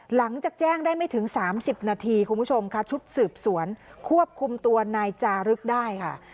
หลังจากแจ้งได้ไม่ถึง๓๐นาทีคุณผู้ชมค่ะชุดสืบสวนควบคุมตัวนายจารึกได้ค่ะ